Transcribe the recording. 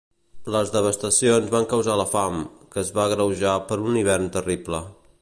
Les devastacions van causar la fam, que es va agreujar per un hivern terrible.